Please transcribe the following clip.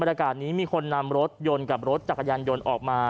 โมรกาตรนี้มีคนนำรถยนต์กับรถจากกระยันหยนต์ออกมา